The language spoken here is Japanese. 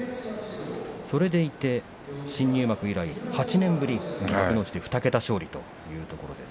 それでいて新入幕以来８年ぶりの２桁勝利ということで。